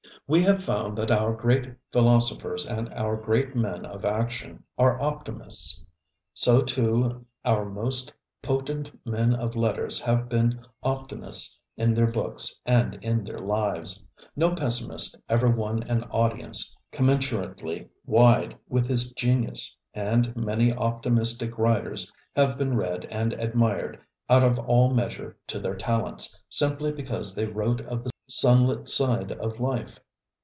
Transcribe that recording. We have found that our great philosophers and our great men of action are optimists. So, too, our most potent men of letters have been optimists in their books and in their lives. No pessimist ever won an audience commensurately wide with his genius, and many optimistic writers have been read and admired out of all measure to their talents, simply because they wrote of the sunlit side of life.